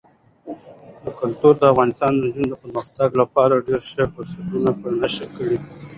کلتور د افغان نجونو د پرمختګ لپاره ډېر ښه فرصتونه په نښه کوي.